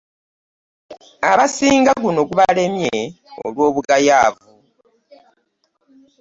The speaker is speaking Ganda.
Abasinga guno gubalemye olwobugayaavu .